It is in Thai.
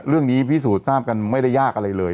เรื่องนี้พิสูจน์ทราบกันไม่ได้ยากอะไรเลย